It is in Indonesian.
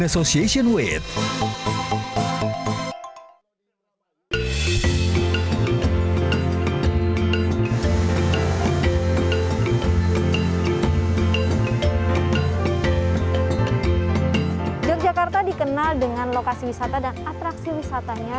yogyakarta dikenal dengan lokasi wisata dan atraksi wisatanya